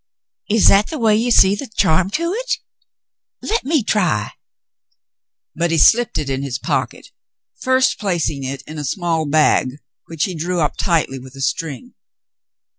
"Is that the way you see the 'charm to hit' ? Let me try." But he slipped it in his pocket, first placing it in a small bag which he drew up tightly with a string.